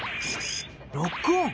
ロックオン！